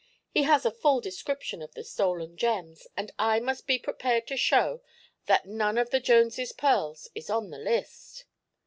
He has a full description of the stolen gems and I must be prepared to show that none of the Jones' pearls is on the list."